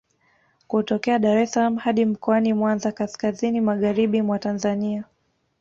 Kutokea Dar es salaam hadi Mkoani Mwanza kaskazini magharibi mwa Tanzania